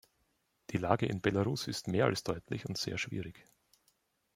Die Lage in Belarus ist mehr als deutlich und sehr schwierig.